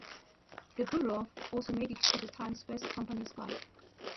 The borough also made it to "The Times Best Companies Guide".